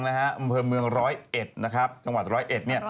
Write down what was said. อำเภอเมืองร้อยเอ็ดนะครับจังหวัดร้อยเอ็ดเนี่ย